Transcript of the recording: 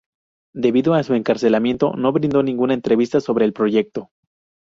Debido a su encarcelamiento, no brindó ninguna entrevista sobre el proyecto.